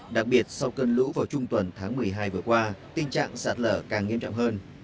đặc biệt sau cơn lũ vào trung tuần tháng một mươi hai vừa qua tình trạng sạt lở càng nghiêm trọng hơn